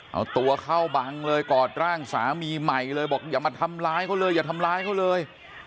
เอาตัวเข้าบังเลยกอดร่างสามีใหม่เลยบอกอย่ามาทำร้ายเขาเลยอย่าทำร้ายเขาเลย